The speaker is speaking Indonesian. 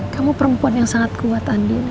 kamu perempuan yang sangat kuat andi